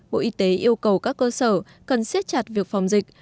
bộ y tế yêu cầu các cơ sở cần siết chặt việc phòng dịch